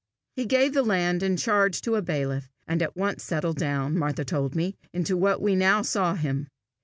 He gave the land in charge to a bailiff, and at once settled down, Martha told me, into what we now saw him.